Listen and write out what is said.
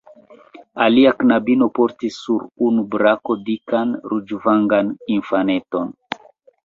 Alia knabino portis sur unu brako dikan, ruĝvangan infaneton.